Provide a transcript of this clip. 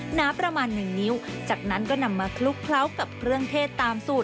หนาประมาณหนึ่งนิ้วจากนั้นก็นำมาคลุกเคล้ากับเครื่องเทศตามสูตร